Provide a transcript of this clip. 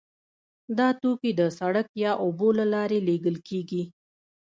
دا توکي د سړک یا اوبو له لارې لیږل کیږي